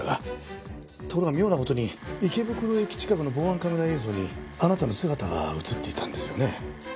ところが妙な事に池袋駅近くの防犯カメラ映像にあなたの姿が映っていたんですよね。